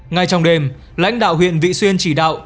ngay trong đêm lãnh đạo huyện vị xuyên chỉ đạo